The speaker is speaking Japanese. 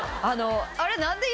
あれ。